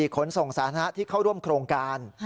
ขนส่งสาธารณะที่เข้าร่วมโครงการ